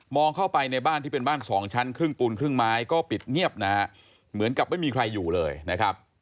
เข้าไปในบ้านที่เป็นบ้านสองชั้นครึ่งปูนครึ่งไม้ก็ปิดเงียบนะฮะเหมือนกับไม่มีใครอยู่เลยนะครับ